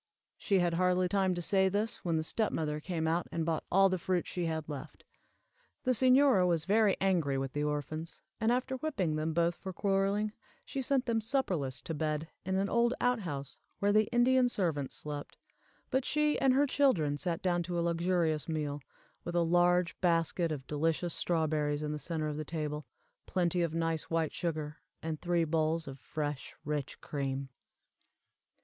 She had hardly time to say this, when the step mother came out, and bought all the fruit she had left. The señora was very angry with the orphans, and, after whipping them both for quarreling, sent them supperless to bed, in an old out house where the Indian servants slept, but she and her children sat down to a luxurious meal, with a large basket of delicious strawberries in the center of the table, plenty of nice white sugar, and three bowls of fresh, rich cream.